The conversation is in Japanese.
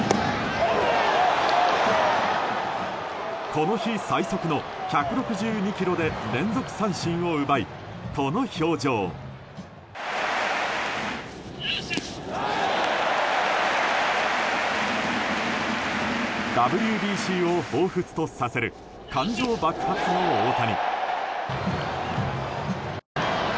この日最速の１６２キロで連続三振を奪い、この表情。ＷＢＣをほうふつとさせる感情爆発の大谷。